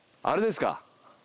あれですか？